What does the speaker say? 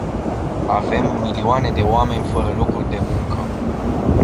Avem milioane de oameni fără locuri de muncă.